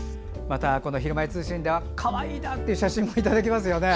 また「ひるまえ通信」ではかわいいなという写真もいただきますよね。